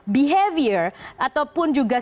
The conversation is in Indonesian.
behavior ataupun juga